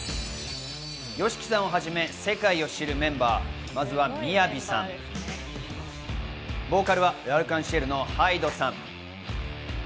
ＹＯＳＨＩＫＩさんをはじめ、世界を知るメンバー、まずはＭＩＹＡＶＩさん、ボーカルはＬ’ＡｒｃｅｎＣｉｅｌのＨＹＤＥさん。